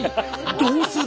どうする？